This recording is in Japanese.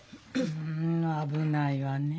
うん危ないわね。